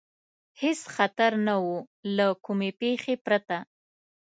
هېڅ خطر نه و، له کومې پېښې پرته.